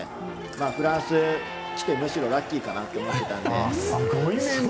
フランスが来て、むしろラッキーかなと思っていたので。